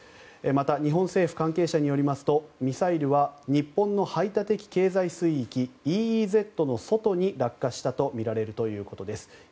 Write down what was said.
また日本政府関係者によりますとミサイルは日本の排他的経済水域・ＥＥＺの外に落下したとみられるということです。